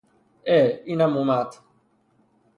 عه اینم اومد